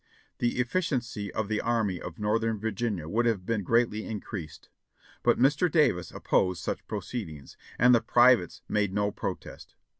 The efficiency of the Army of Northern Virginia would have been greatly increased. But Mr. Davis opposed such proceedings, and the privates made no pro test.